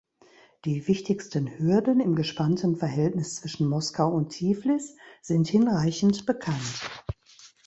Die wichtigsten Hürden im gespannten Verhältnis zwischen Moskau und Tiflis sind hinreichend bekannt.